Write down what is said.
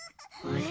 あれ？